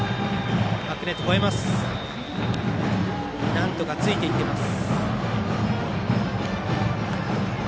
なんとか、ついていっています。